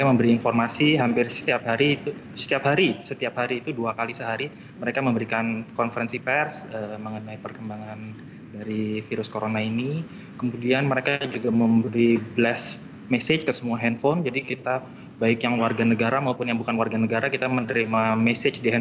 pemerintah taiwan bisa menekan angka pasien